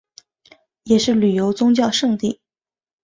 也是旅游宗教胜地。